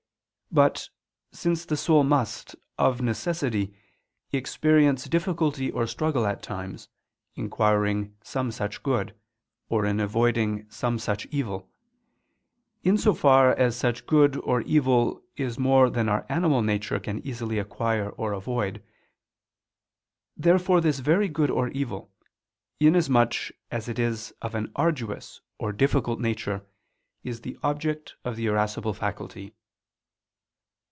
But, since the soul must, of necessity, experience difficulty or struggle at times, in acquiring some such good, or in avoiding some such evil, in so far as such good or evil is more than our animal nature can easily acquire or avoid; therefore this very good or evil, inasmuch as it is of an arduous or difficult nature, is the object of the irascible faculty.